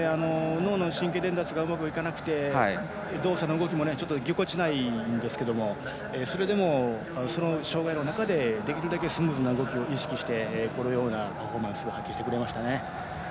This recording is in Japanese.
脳の神経伝達がうまくいかなくて動作の動きもぎこちないんですけどもそれでも、その障がいの中でできるだけスムーズな動きを意識してこのようなパフォーマンスを発揮してくれましたね。